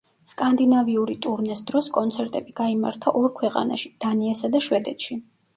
სკანდინავიური ტურნეს დროს კონცერტები გაიმართა ორ ქვეყანაში დანიასა და შვედეთში.